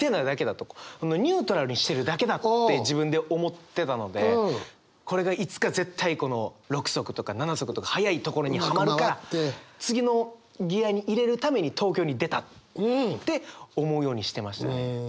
ニュートラルにしてるだけだって自分で思ってたのでこれがいつか絶対６速とか７速とか速いところにはまるから次のギアに入れるために東京に出たって思うようにしてましたね。